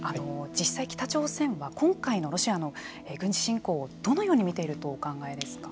実際北朝鮮は今回の軍事侵攻をどのように見ているとお考えですか。